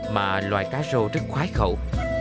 mà loài cá rô rất khoái khẩu